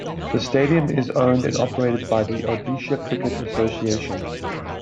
The stadium is owned and operated by the Odisha Cricket Association.